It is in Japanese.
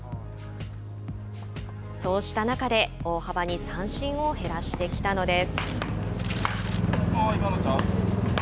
そうした中で大幅に三振を減らしてきたのです。